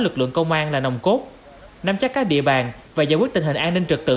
lực lượng công an là nồng cốt nắm chắc các địa bàn và giải quyết tình hình an ninh trật tự